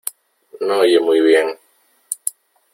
No oye muy bien.